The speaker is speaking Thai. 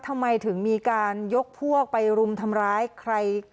ทำไมถึงมีการยกพวกไปรุมทำร้ายใคร